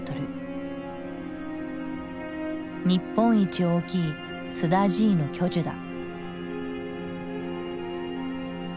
日本一大きいスダジイの巨樹だ。